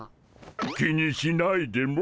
気にしないでモ。